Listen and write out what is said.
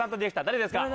誰ですか？